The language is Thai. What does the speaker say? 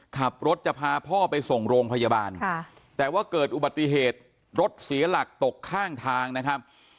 ขับรถจะพาพ่อไปส่งโรงพยาบาลแต่ว่าเกิดอุบัติเหตุรถเสียหลักตกข้างทางนะครับ